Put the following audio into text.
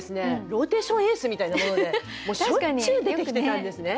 ローテーションエースみたいなものでもうしょっちゅう出てきてたんですね。